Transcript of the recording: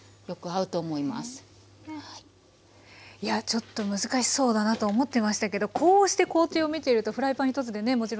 ちょっと難しそうだなと思ってましたけどこうして工程を見ているとフライパン一つでねもちろんできますし。